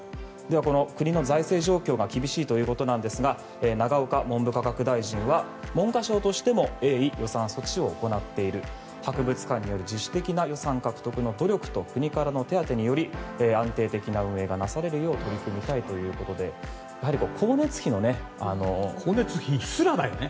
この国の財政状況が厳しいということなんですが永岡文部科学大臣は文科省としても鋭意、予算措置を行っている博物館による自主的な予算獲得の努力と国からの手当てにより安定的な運営がなされるよう取り組みたいということで光熱費すらないんだね。